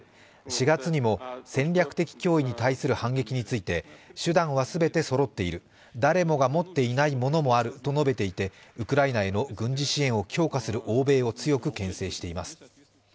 ４月にも戦略的脅威に対する反撃について手段は全てそろっている、誰もが持っていないものもあると述べていてウクライナへの軍事支援を強化する欧米を強く牽制しています。